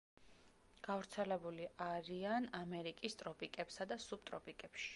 გავრცელებული არიან ამერიკის ტროპიკებსა და სუბტროპიკებში.